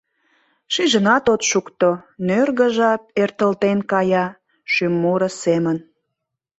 Шижынат от шукто: нӧргӧ жап Эртылден кая, шӱм муро семын.